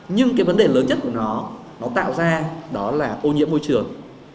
nhưng cái vấn đề lớn nhất của nó nó tạo ra đó là ô nhiễm môi trường